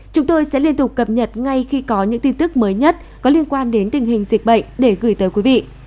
chúng tôi sẽ liên tục cập nhật ngay khi có những tin tức mới nhất có liên quan đến tình hình dịch bệnh để gửi tới quý vị